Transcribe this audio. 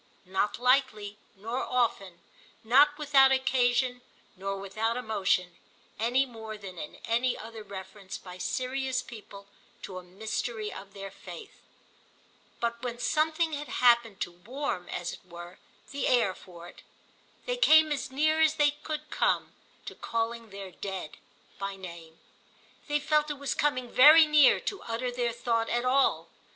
Not lightly nor often, not without occasion nor without emotion, any more than in any other reference by serious people to a mystery of their faith; but when something had happened to warm, as it were, the air for it, they came as near as they could come to calling their Dead by name. They felt it was coming very near to utter their thought at all.